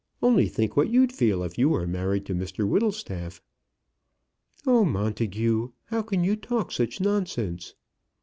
Only think what you'd feel if you were married to Mr Whittlestaff." "Oh, Montagu! how can you talk such nonsense?"